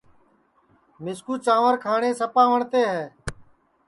مِسکُو چانٚور کھاٹؔے سپا وٹؔتے ہے